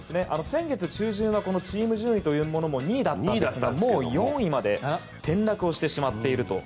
先月中旬はこのチーム順位というものも２位だったんですがもう４位まで転落してしまっていると。